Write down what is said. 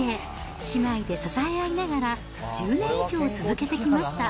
姉妹で支え合いながら、１０年以上続けてきました。